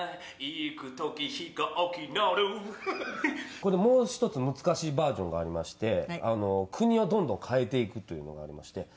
これもう一つ難しいバージョンがありまして国をどんどん変えていくというのがありまして。